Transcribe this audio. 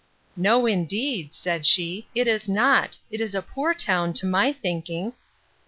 No, indeed, said she, it is not; it is a poor town, to my thinking.